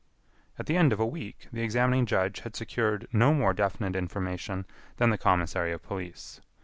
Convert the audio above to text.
At the end of a week, the examining judge had secured no more definite information than the commissary of police.